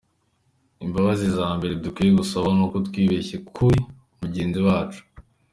Imbabazi za mbere dukwiye gusaba ni uko twibeshye kuri mugenzi wacu.